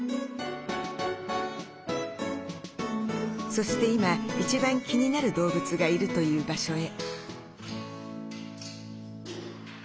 そして今一番気になる動物がいるという場所へ。